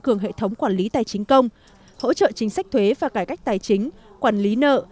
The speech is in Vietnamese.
cường hệ thống quản lý tài chính công hỗ trợ chính sách thuế và cải cách tài chính quản lý nợ